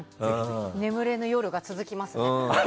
眠れぬ夜が続きますね。